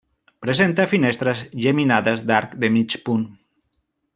Presenta finestres geminades d'arc de mig punt.